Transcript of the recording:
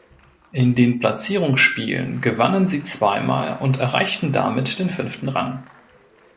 In den Platzierungsspielen gewannen sie zweimal und erreichten damit den fünften Rang.